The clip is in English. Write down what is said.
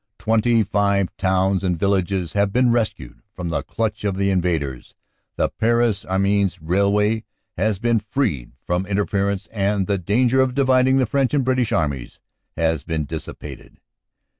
Twenty five towns and villages have been rescued from the clutch of the invaders, the Paris Amiens railway has been freed from interference, and the danger of dividing the French and British Armies has been dissipated.